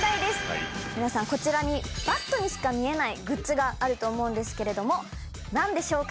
皆さんこちらにバットにしか見えないグッズがあると思うんですけれども何でしょうか？